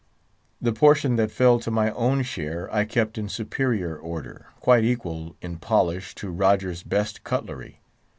The portion that fell to my own share I kept in superior order, quite equal in polish to Rogers's best cutlery.